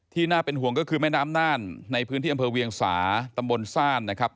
น่าเป็นห่วงก็คือแม่น้ำน่านในพื้นที่อำเภอเวียงสาตำบลซ่านนะครับ